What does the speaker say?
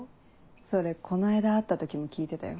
それこの間会った時も聞いてたよ。